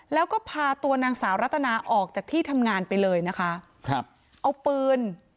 แล้วก็พาตัวนางสาวรัตนาออกจากที่ทำงานไปเลยนะคะครับเอาปืน